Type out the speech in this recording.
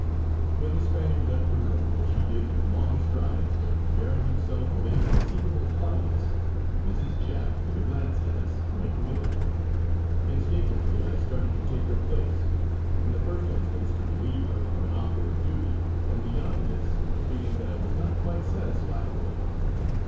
When the Spaniard left the room, which he did with long strides but bearing himself with inconceivable haughtiness, Mrs. Jack, with a glance at us, went with him. Instinctively I started to take her place; in the first instance to relieve her from an awkward duty, and beyond this with a feeling that I was not quite satisfied with him.